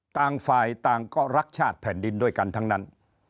ต่างฝ่ายต่างก็รักชาติแผ่นดินด้วยกันทั้งนั้น